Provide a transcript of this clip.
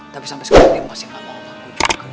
tapi sampe sekali dia masih gak mau om aku juga